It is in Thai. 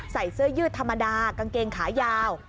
ใส่เสื้อยืดธรรมดากางเกงขายาว